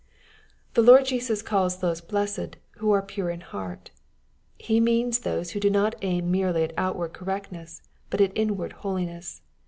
' The Lord Jesus calls those blessed, who are pttr« in heart. He means those who do not aim merely at out ward correctness, but at inward holiness.